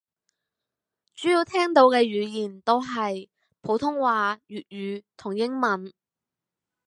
主要聽到嘅語言都係普通話粵語同英文